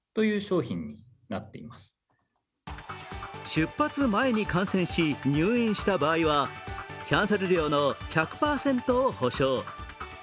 出発前に感染し入院した場合はキャンセル料の１００％を補償。